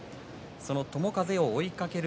友風を追いかける